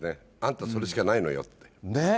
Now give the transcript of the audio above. あんたそれしかないのよって。